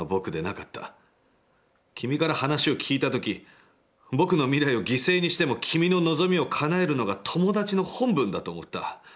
君から話を聞いた時、僕の未来を犠牲にしても、君の望みを叶えるのが、友達の本分だと思った。